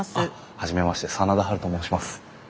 初めまして真田ハルと申します。